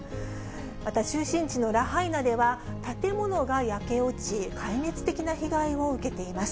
また中心地のラハイナでは、建物が焼け落ち、壊滅的な被害を受けています。